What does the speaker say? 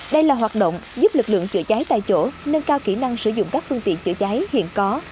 đây là hoạt động giúp lực lượng chữa cháy tại chỗ nâng cao kỹ năng sử dụng các phương tiện chữa cháy hiện có